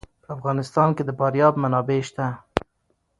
په افغانستان کې د فاریاب منابع شته.